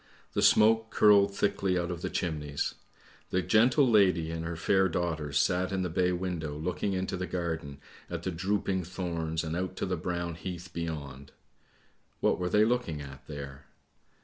The smoke curled thickly out of the chimneys. The gentle lady and her fair daughters sat in the bay window looking into the garden at the drooping thorns and out to the brown heath beyond. What were they looking at there?